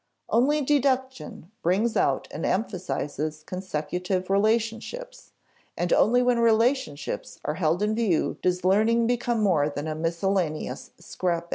Only deduction brings out and emphasizes consecutive relationships, and only when relationships are held in view does learning become more than a miscellaneous scrap bag.